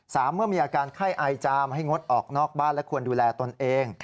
เมื่อมีอาการไข้อายจามให้งดออกนอกบ้านและควรดูแลตนเอง